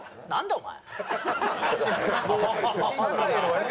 お前。